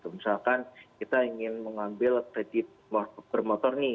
misalkan kita ingin mengambil kredit promotor ini